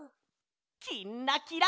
「きんらきら」。